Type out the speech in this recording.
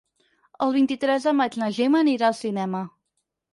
El vint-i-tres de maig na Gemma anirà al cinema.